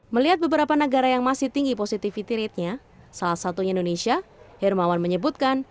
melihat beberapa negara yang masih tinggi positivity ratenya salah satunya indonesia hermawan menyebutkan